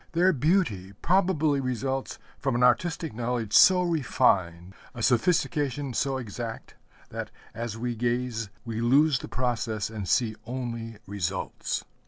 Their beauty probably results from an artistic knowledge so refined, a sophistication so exact, that, as we gaze, we lose the process and see only results.